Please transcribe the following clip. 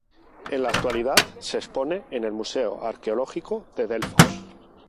En la actualidad se expone en el Museo Arqueológico de Delfos.